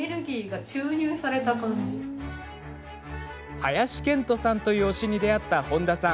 林遣都さんという推しに出会った本多さん